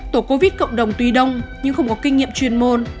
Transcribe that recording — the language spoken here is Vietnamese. tổ covid cộng đồng tuy đông nhưng không có kinh nghiệm chuyên môn